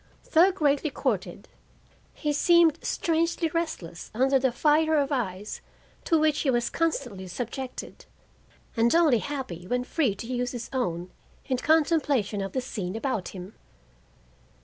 Though greatly courted, he seemed strangely restless under the fire of eyes to which he was constantly subjected, and only happy when free to use his own in contemplation of the scene about him.